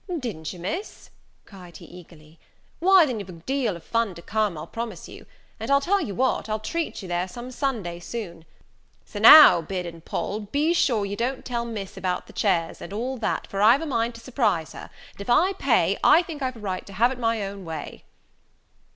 "Didn't you, Miss," cried he eagerly; "why, then you've a deal of fun to come, I'll promise you; and, I tell you what, I'll treat you there some Sunday, soon. So now, Bid and Poll, be sure you don't tell Miss about the chairs, and all that, for I've a mind to surprise her; and if I pay, I think I've a right to have it my own way."